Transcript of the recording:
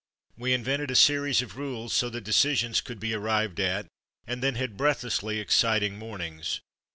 We invented a series of rules so that deci sions could be arrived at, and then had breathlessly exciting mornings.